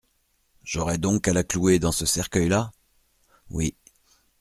J'aurai donc à la clouer dans ce cercueil-là ? Oui.